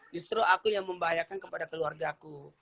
justru aku yang membahayakan kepada keluarga ku